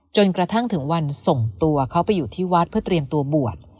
จนกระทั่งถึงวันส่งตัวเขาไปอยู่ที่วัดเพื่อเตรียมตัวบวช